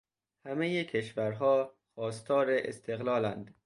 همهٔ کشورها خواستار استقلال اند.